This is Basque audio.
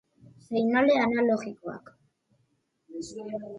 Seinale analogikoak.